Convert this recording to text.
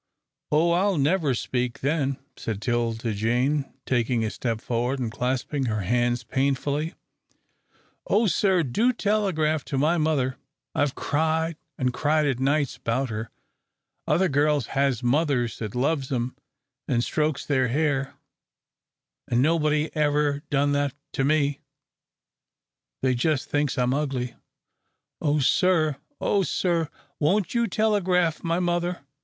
"Oh, I'll never speak then," said 'Tilda Jane, taking a step forward and clasping her hands painfully. "Oh, sir, do telegraph to my mother. I've cried an' cried at nights 'bout her. Other girls has mothers that loves 'em an' strokes their hair, an' nobody ever done that to me. They just thinks I'm ugly. Oh, sir, oh, sir, won't you telegraph my mother?"